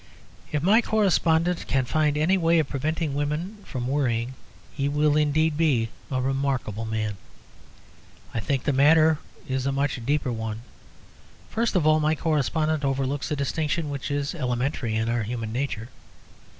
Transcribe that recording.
If my correspondent can find any way of preventing women from worrying, he will indeed be a remarkable man. I think the matter is a much deeper one. First of all, my correspondent overlooks a distinction which is elementary in our human nature.